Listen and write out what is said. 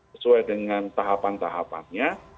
sesuai dengan tahapan tahapannya